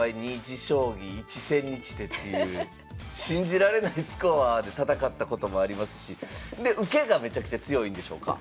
２持将棋１千日手」っていう信じられないスコアで戦ったこともありますしで受けがめちゃくちゃ強いんでしょうか。